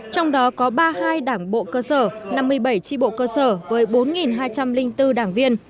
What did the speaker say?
trong đó có ba mươi hai đảng bộ cơ sở năm mươi bảy tri bộ cơ sở với bốn hai trăm linh bốn đảng viên